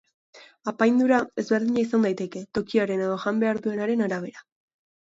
Apaindura, ezberdina izan daiteke, tokiaren edo jan behar duenaren arabera.